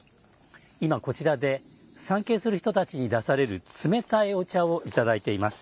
今、こちらで参詣する人たちに出される冷たいお茶をいただいています。